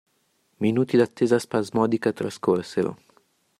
Minuti d'attesa spasmodica trascorsero.